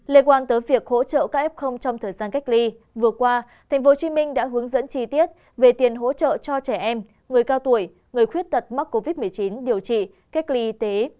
liên quan tới việc hỗ trợ các f trong thời gian cách ly vừa qua tp hcm đã hướng dẫn chi tiết về tiền hỗ trợ cho trẻ em người cao tuổi người khuyết tật mắc covid một mươi chín điều trị cách ly y tế